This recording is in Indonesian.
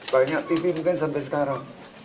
banyak tv mungkin sampai sekarang